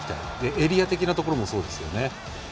エリア的なところもそうですよね。